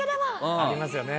ありますよね。